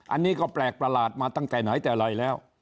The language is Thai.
อันนี้ก็แปลกประหลาดมาตั้งแต่ไหนแต่ไรแล้ว